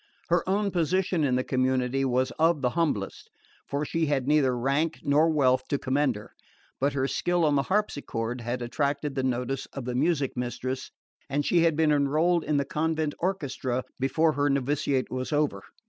Her own position in the community was of the humblest, for she had neither rank nor wealth to commend her; but her skill on the harpsichord had attracted the notice of the music mistress and she had been enrolled in the convent orchestra before her novitiate was over.